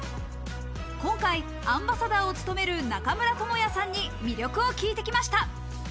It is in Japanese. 今回アンバサダーを務める中村倫也さんに魅力を聞いてきました。